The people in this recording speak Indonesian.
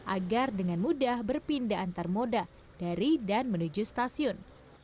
agar dengan mudah berpindah antar moda dari dan menuju stasiun